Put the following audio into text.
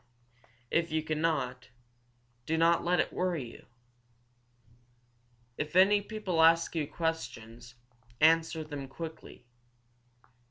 If you cannot, do not let it worry you! If any people ask you questions, answer them quickly.